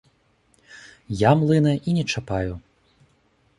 Я млына і не чапаю.